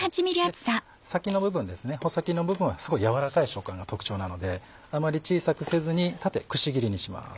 先の部分ですね穂先の部分はすごいやわらかい食感が特徴なのであまり小さくせずに縦くし切りにします。